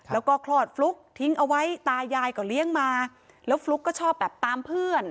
แล้วก็คลอดฟลุ๊กทิ้งเอาไว้ตายายก็เลี้ยงมาแล้วฟลุ๊กก็ชอบแบบตามเพื่อน